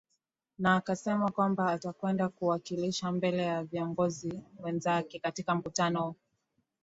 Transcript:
na akasema kwamba atakwenda kuwakilisha mbele ya viongozi wenzake katika mkutano